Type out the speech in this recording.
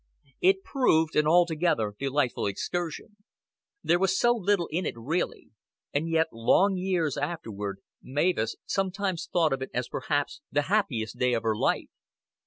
It proved an altogether delightful excursion. There was so little in it really, and yet long years afterward Mavis sometimes thought of it as perhaps the happiest day of her life.